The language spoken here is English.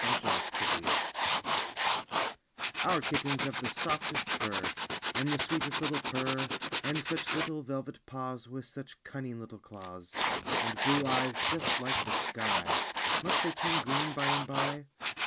_ OUR KITTENS Our kittens have the softest fur, And the sweetest little purr, And such little velvet paws With such cunning little claws, And blue eyes, just like the sky! (Must they turn green, by and by?)